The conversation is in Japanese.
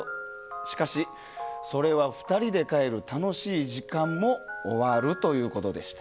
しかし、それは２人で帰る楽しい時間も終わるということでした。